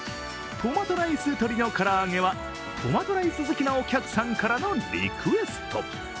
トマトライスとりのからあげは、トマトライス好きなお客さんからのリクエスト。